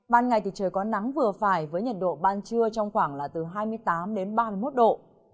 ban ngày thì trời có nắng vừa phải với nhiệt độ ban trưa trong khoảng là từ hai mươi tám đến ba mươi một độ